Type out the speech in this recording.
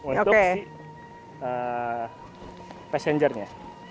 untuk si passenger nya